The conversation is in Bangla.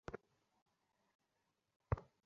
থেনা, না!